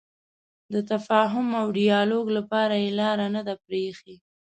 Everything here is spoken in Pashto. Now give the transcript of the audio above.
د تفاهم او ډیالوګ لپاره یې لاره نه ده پرېښې.